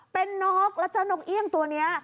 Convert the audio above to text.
เป็นนกแล้วเจ้านกเอี่ยงตัวนี้